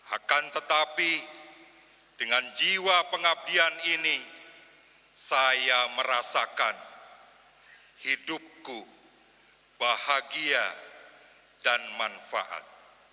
akan tetapi dengan jiwa pengabdian ini saya merasakan hidupku bahagia dan manfaat